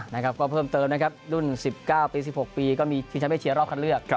นะครับก็เพิ่มเติมนะครับรุ่น๑๙ปี๑๖ปีก็มีชิงแชมป์เอเชียรอบคันเลือก